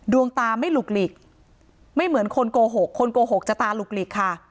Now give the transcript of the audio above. ดวงตาไม่หลุกหลีกไม่เหมือนคนโกหกคนโกหกจะตาหลุกหลีกค่ะ